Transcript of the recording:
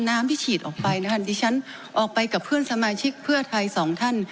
น้ำที่ฉีดออกไปนะคะดิฉันออกไปกับเพื่อนสมาชิกเพื่อไทยสองท่าน